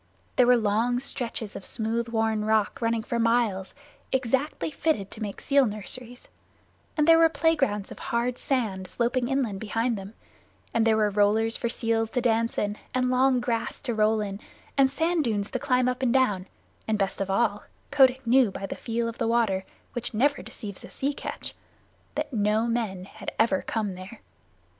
There were long stretches of smooth worn rock running for miles, exactly fitted to make seal nurseries, and there were play grounds of hard sand sloping inland behind them, and there were rollers for seals to dance in, and long grass to roll in, and sand dunes to climb up and down, and, best of all, Kotick knew by the feel of the water, which never deceives a true sea catch, that no men had ever come there.